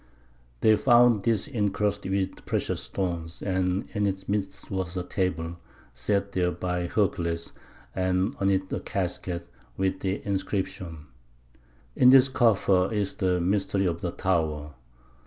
They found this encrusted with precious stones, and in its midst was a table, set there by Hercules, and on it a casket, with the inscription, "In this coffer is the mystery of the Tower.